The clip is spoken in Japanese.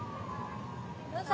どうぞ。